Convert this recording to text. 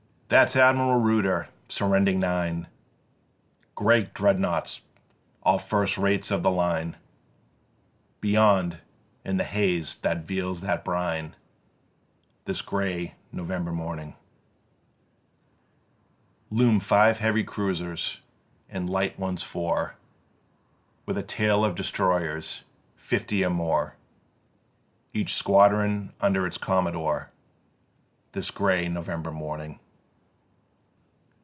5. "That's Admiral Reuter, surrendering nine Great Dreadnoughts, all first rates of the line; Beyond, in the haze that veils the brine This grey November morning, Loom five heavy Cruisers, and light ones four, With a tail of Destroyers, fifty or more, Each squadron under its Commodore, This grey November morning.